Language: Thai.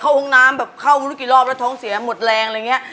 ห้องน้ำแบบเข้าไม่รู้กี่รอบแล้วท้องเสียหมดแรงอะไรอย่างนี้